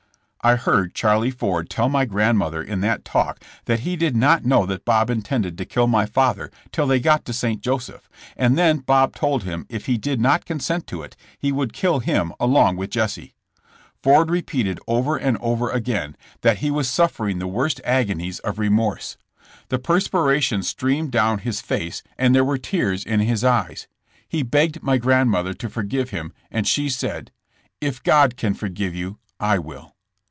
'' I heard Charlie Ford tell my grandmother in that talk that he did not know that Bob intended to kill my father till they got to St. Joseph, and then Bob told him if he did not consent to it, he would kill him along with Jesse. Ford repeated over and over again, that he was suffering the worst agonies Tun DEATH OF JESSK JAMES. 19 of remorse. The perspiration streamed down his face and there were tears in his eyes. He begged my grandmother to forgive him and she said :*' If God can forgive you, I will.